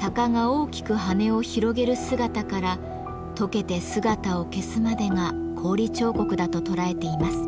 鷹が大きく羽を広げる姿からとけて姿を消すまでが氷彫刻だと捉えています。